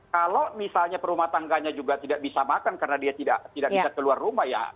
kalau misalnya perumah tangganya juga tidak bisa makan karena dia tidak bisa keluar rumah ya